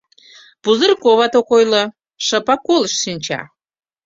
Пузырьковат ок ойло, шыпак колышт шинча.